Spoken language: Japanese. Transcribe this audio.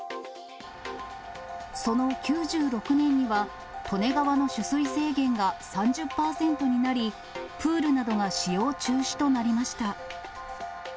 その９６年には、利根川の取水制限が３０％になり、プールなどが使用中止となりました。